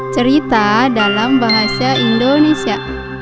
cerita dalam bahasa indonesia